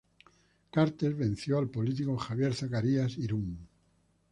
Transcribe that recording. Cartes venció al político Javier Zacarías Irún.